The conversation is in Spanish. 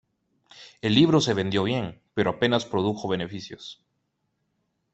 El libro se vendió bien, pero apenas le produjo beneficios.